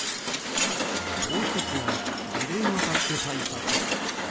もう１つはリレーアタック対策。